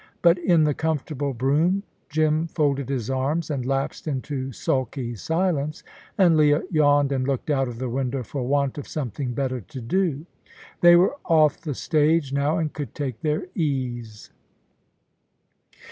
But in the comfortable brougham, Jim folded his arms and lapsed into sulky silence, and Leah yawned and looked out of the window for want of something better to do. They were off the stage now, and could take their ease.